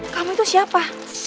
kamu itu siapa